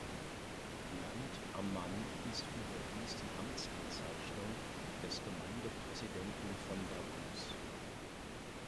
Landammann ist überdies die Amtsbezeichnung des Gemeindepräsidenten von Davos.